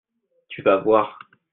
Tu va voir !